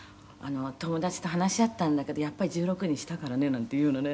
「“友達と話し合ったんだけど“やっぱり１６にしたからね”なんて言うのね」